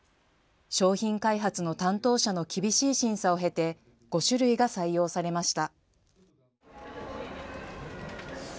商品開発の担当者の厳しい審査を経て、５種類が採用されました。